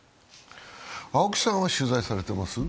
青木さんは取材されてます？